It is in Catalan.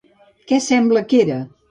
Què semblava que era?